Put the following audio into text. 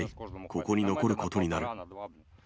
ここに残ることになる。